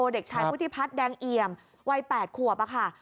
เด็กชายพุทธิพัฒน์แดงเอี่ยมวัย๘ขวบค่ะ